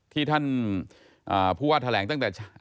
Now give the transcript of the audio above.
ที่ท่านผู้ว่าแถลงตั้งแต่